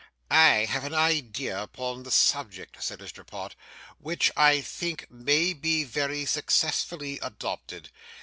'I have an idea upon this subject,' said Mr. Pott, 'which I think may be very successfully adopted.